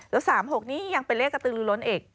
แล้ว๓๖นี้ยังเป็นเลขกระตือลือล้นอีก